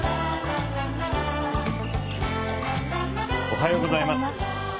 おはようございます。